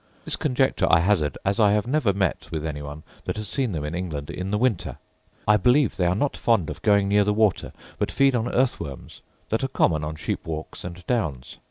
This conjecture I hazard, as I have never met with any one that has seen them in England in the winter. I believe they are not fond of going near the water, but feed on earth worms, that are common on sheep walks and downs.